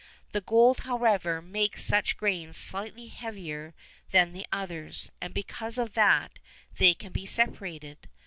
The gold, however, makes such grains slightly heavier than the others, and because of that they can be separated.